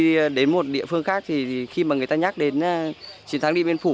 đi đến một địa phương khác thì khi mà người ta nhắc đến chiến thắng điện biên phủ